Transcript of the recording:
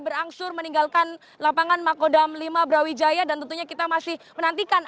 berangsur meninggalkan lapangan makodam lima brawijaya dan tentunya kita masih menantikan